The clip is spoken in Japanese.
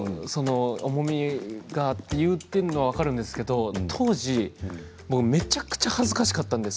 重みがいるというのは分かるんですが当時めちゃくちゃ恥ずかしかったんです